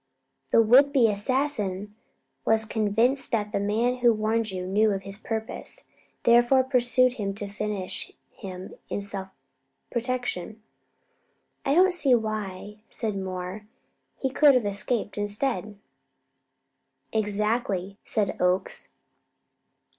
The would be assassin was convinced that the man who warned you knew of his purpose. He therefore pursued him to finish him in self protection." "I don't see why," said Moore; "he could have escaped instead." "Exactly," said Oakes.